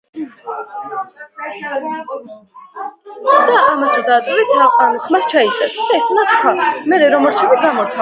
უდაბნო გამოირჩევა ცივი კლიმატით.